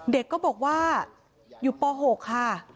เด็กก็บอกว่าอยู่ป๖ค่ะ